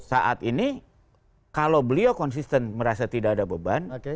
saat ini kalau beliau konsisten merasa tidak ada beban